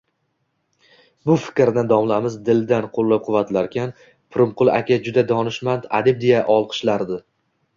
Bu fikrni domlamiz dildan qo`llab-quvvatlarkan, Pirimqul aka juda donishmand adib deya olqishlardi